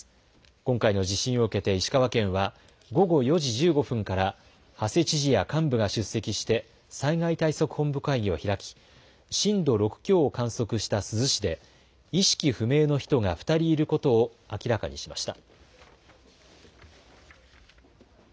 今回の地震を受けて石川県は午後４時１５分から馳知事や幹部が出席して災害対策本部会議を開き震度６強を観測した珠洲市で意識不明の人が２人いることを明らかにしました。